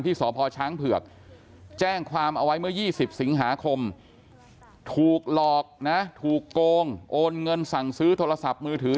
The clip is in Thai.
สพช้างเผือกแจ้งความเอาไว้เมื่อ๒๐สิงหาคมถูกหลอกนะถูกโกงโอนเงินสั่งซื้อโทรศัพท์มือถือ